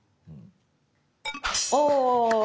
お。